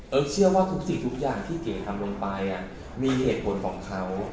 เชื่อว่าทุกสิ่งทุกอย่างที่เก๋ทำลงไปมีเหตุผลของเขา